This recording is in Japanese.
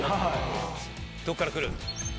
どっから来る？